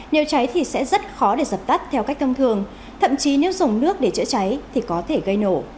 nếu cháy thì sẽ rất khó để dập tắt theo cách thông thường thậm chí nếu dùng nước để chữa cháy thì có thể gây nổ